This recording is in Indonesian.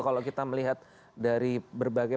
kalau kita melihat dari berbagai